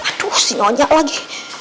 aduh si noyak lagi